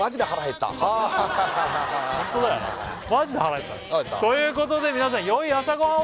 ホントだよなマジで腹減ったということで皆さんよい朝ごはんを！